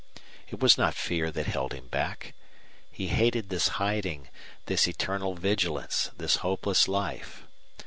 It was not fear that held him back. He hated this hiding, this eternal vigilance, this hopeless life.